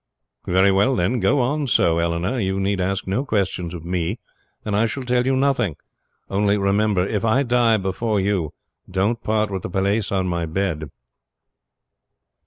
"Very well, then; go on so, Eleanor. You need ask no questions of me, and I shall tell you nothing. Only remember, if I die before you don't part with the pailliasse on my bed."